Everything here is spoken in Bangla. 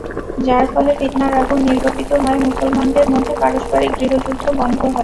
যার ফলে ফিতনার আগুন নির্বাপিত হয়, মুসলমানদের মধ্যে পারস্পরিক গৃহযুদ্ধ বন্ধ হয়।